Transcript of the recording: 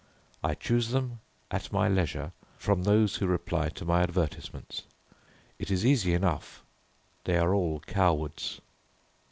I choose them at my leisure from those who reply to my advertisements. It is easy enough, they are all cowards.